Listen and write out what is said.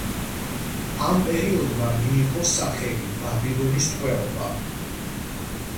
ამ პერიოდმა მიიღო სახელი ბაბილონის ტყვეობა.